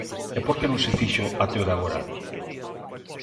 E por que non se fixo até o de agora?